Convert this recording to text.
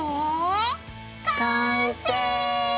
完成！